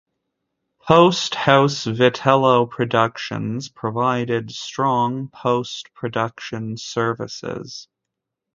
Post house, "Vitello Productions" provided strong post-production services.